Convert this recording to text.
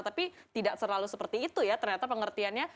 tapi tidak selalu seperti itu ya ternyata pengertiannya